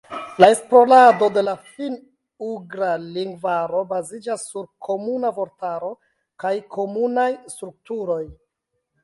La esplorado de la finn-ugra lingvaro baziĝas sur komuna vortaro kaj komunaj strukturoj.